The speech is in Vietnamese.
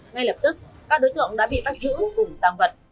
ngay lập tức các đối tượng đã bị bắt giữ cùng tăng vật